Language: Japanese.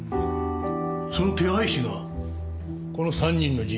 その手配師がこの３人の人選も？